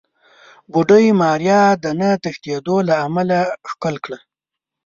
بوډۍ ماريا د نه تښتېدو له امله ښکل کړه.